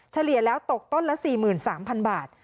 เฉลี่ยแล้วตกต้นละ๔๓๐๐๐บาท